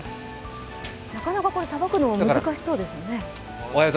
なかなかさばくのも難しそうですね。